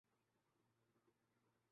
خبر ابھی تک نکلی نہیں۔